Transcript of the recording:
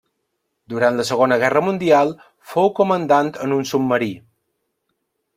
Durant la Segona Guerra Mundial fou comandant en un submarí.